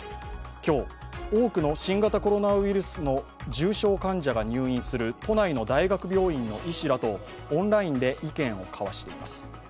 今日、多くの新型コロナウイルスの重症患者が入院する都内の大学病院の医師らとオンラインで意見を交わしています。